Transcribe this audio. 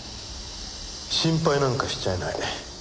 心配なんかしちゃいない。